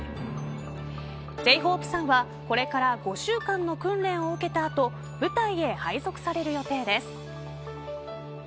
Ｊ−ＨＯＰＥさんは、これから５週間の訓練を受けた後部隊へ配属される予定です。